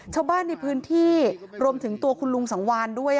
ชาวบ้านในพื้นที่รวมถึงตัวคุณลุงสังวานด้วย